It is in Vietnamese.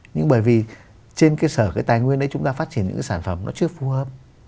nhưng bởi vì trên cơ sở cái tài nguyên đấy chúng ta phát triển những cái sản phẩm nó chưa phù hợp